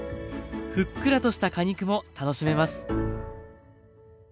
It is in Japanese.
ふっくらとした果肉も楽しめます。